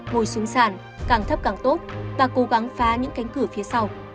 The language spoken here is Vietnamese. ngồi xuống sàn càng thấp càng tốt và cố gắng phá những cánh cửa phía sau